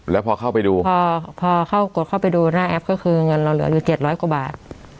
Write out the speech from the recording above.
แล้วพอเข้าไปดูพอเข้ากดเข้าไปดูหน้าแอปก็คือเงินเราเหลืออยู่๗๐๐กว่าบาท